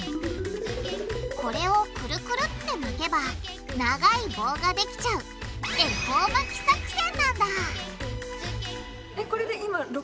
これをクルクルって巻けば長い棒ができちゃう「恵方巻き作戦」なんだ！